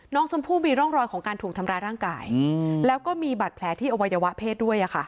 น้องชมพู่มีร่องรอยของการถูกทำร้ายร่างกายแล้วก็มีบาดแผลที่อวัยวะเพศด้วย